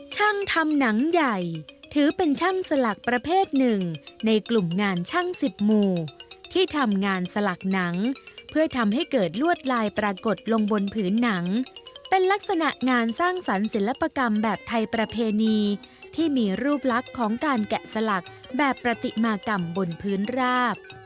ช่างทำหนังใหญ่ถือเป็นช่างสลักประเภทหนึ่งในกลุ่มงานช่างสิบหมู่ที่ทำงานสลักหนังเพื่อทำให้เกิดลวดลายปรากฏลงบนผืนหนังเป็นลักษณะงานสร้างสรรค์ศิลปกรรมแบบไทยประเพณีที่มีรูปลักษณ์ของการแกะสลักแบบประติมากรรมบนพื้นราบ